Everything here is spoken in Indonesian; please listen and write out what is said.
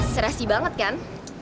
serasi banget kan